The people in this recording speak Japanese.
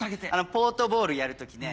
ポートボールやる時ね